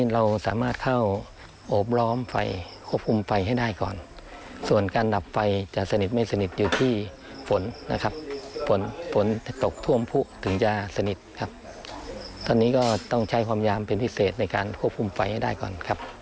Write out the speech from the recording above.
เราสามารถเข้าโอบร้อมไฟควบคุมไฟให้ได้ก่อน